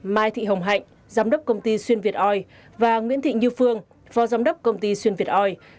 mai thị hồng hạnh giám đốc công ty xuyên việt oi và nguyễn thị như phương phó giám đốc công ty xuyên việt oi